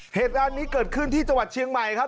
เหตุการณ์นี้เกิดขึ้นที่จังหวัดเชียงใหม่ครับ